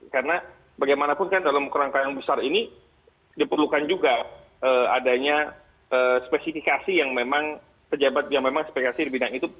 karena bagaimanapun kan dalam kerangka yang besar ini diperlukan juga adanya spesifikasi yang memang pejabat yang memang spesifikasi di bidang itu